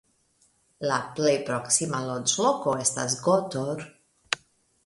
La plej proksima loĝloko estas Gotor.